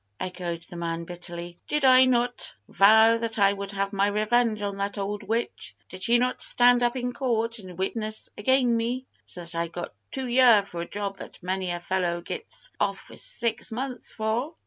echoed the man, bitterly. "Did I not vow that I would have my revenge on that old witch? Did she not stand up in court and witness again' me, so that I got two year for a job that many a fellow gits off with six months for?"